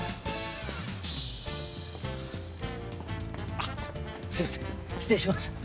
あっすいません失礼します。